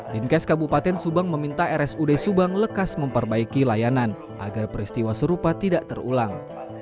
dinkes kabupaten subang meminta rsud subang lekas memperbaiki layanan agar peristiwa serupa tidak terulang